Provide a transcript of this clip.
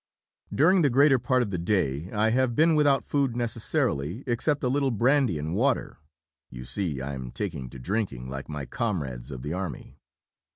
During the greater part of the day I have been without food necessarily, except a little brandy and water (you see I am taking to drinking like my comrades of the Army).